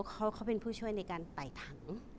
เขาเป็นผู้ช่วยในการไต่ถัง